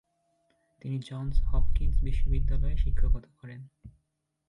তিনি Johns Hopkins বিশ্ববিদ্যালয়ে শিক্ষকতা করেন।